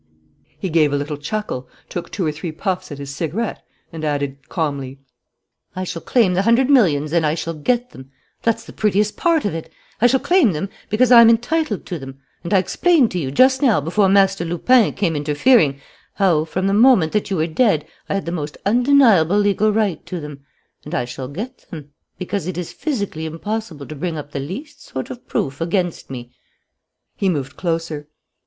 He gave a little chuckle, took two or three puffs at his cigarette, and added, calmly: "I shall claim the hundred millions and I shall get them. That's the prettiest part of it. I shall claim them because I'm entitled to them; and I explained to you just now before Master Lupin came interfering, how, from the moment that you were dead, I had the most undeniable legal right to them. And I shall get them, because it is physically impossible to bring up the least sort of proof against me." He moved closer.